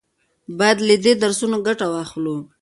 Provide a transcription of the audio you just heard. باید له دې درسونو ګټه واخلو.